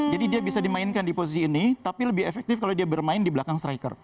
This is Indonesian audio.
dia bisa dimainkan di posisi ini tapi lebih efektif kalau dia bermain di belakang striker